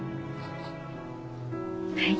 はい。